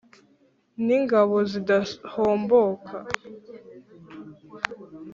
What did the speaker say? N’ingabo zidahomboka.